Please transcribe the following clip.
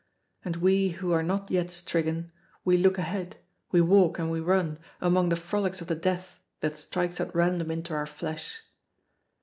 And we who are not yet stricken, we look ahead, we walk and we run, among the frolics of the death that strikes at random into our flesh.